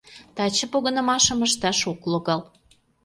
Таче погынымашым ышташ ок логал...